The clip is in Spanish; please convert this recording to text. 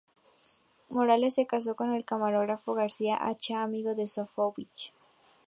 Morales se casó con el camarógrafo García Acha, amigo de Sofovich.